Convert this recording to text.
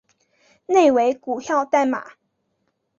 内为股票代码